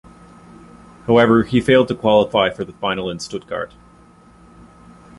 However, he failed to qualify for the final in Stuttgart.